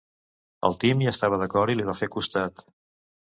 El Tim hi estava d'acord i li va fer costat.